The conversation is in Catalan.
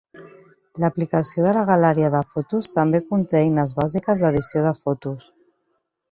L'aplicació de la galeria de fotos també conté eines bàsiques d'edició de fotos.